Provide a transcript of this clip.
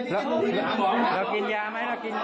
คงต้องดูแล